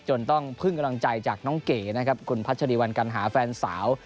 ต้องพึ่งกำลังใจจากน้องเก๋นะครับคุณพัชริวัลกัณหาแฟนสาว